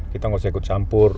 kita nggak usah ikut campur